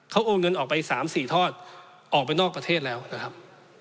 เขาโอนเงินออกไป๓๔ทอดออกไปนอกประเทศแล้วนะครับ